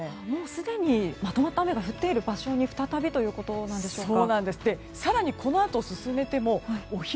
すでにまとまった雨が降っている場所に再びということなんでしょうか。